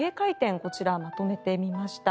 こちら、まとめてみました。